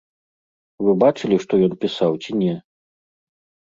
Вы бачылі, што ён пісаў, ці не?